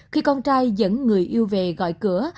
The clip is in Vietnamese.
khi con trai dẫn người yêu về gọi cửa